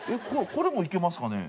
これもいけますかね？